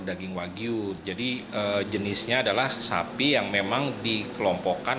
daging wagyu jadi jenisnya adalah sapi yang memang dikelompokkan